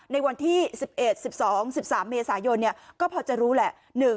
ในวันที่๑๑๑๒๑๓เมษายนก็พอจะรู้แหละ